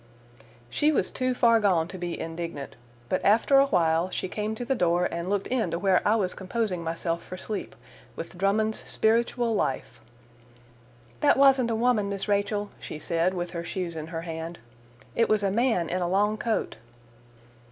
She was too far gone to be indignant, but after a while she came to the door and looked in to where I was composing myself for sleep with Drummond's Spiritual Life. "That wasn't a woman, Miss Rachel," she said, with her shoes in her hand. "It was a man in a long coat."